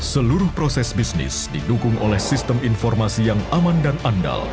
seluruh proses bisnis didukung oleh sistem informasi yang aman dan andal